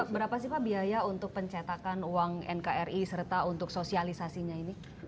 berapa sih pak biaya untuk pencetakan uang nkri serta untuk sosialisasinya ini